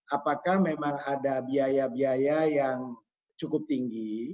apakah memang ada biaya biaya yang cukup tinggi